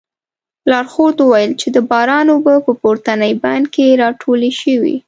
لارښود وویل چې د باران اوبه په پورتني بند کې راټولې شوې.